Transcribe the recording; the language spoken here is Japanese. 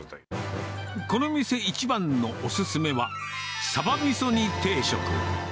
この店一番のお勧めは、サバ味噌煮定食。